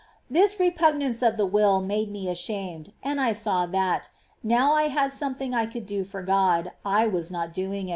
This repugnance of the will made me ashamed, and I saw that, now I had something I could do for God, I was not doing ' Ps.